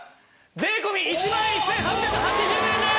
税込１万１８８０円です。